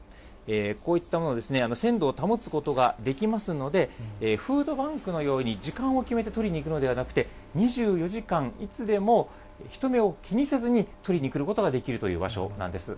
こういったものですね、鮮度を保つことができますので、フードバンクのように時間を決めて取りに行くのではなくて、２４時間いつでも、人目を気にせずに取りに来ることができるという場所なんです。